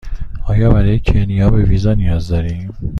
آیا برای کنیا به ویزا نیاز دارم؟